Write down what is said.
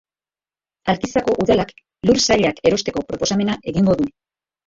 Alkizako Udalak lur sailak erosteko proposamena egingo du.